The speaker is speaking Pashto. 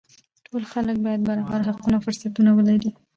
ټول خلک باید برابر حقونه او فرصتونه ولري